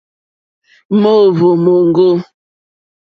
Mòóhwò móŋɡô.